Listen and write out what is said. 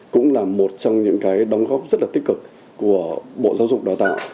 cũng là một trong những cái đóng góp rất là tích cực của bộ giáo dục đào tạo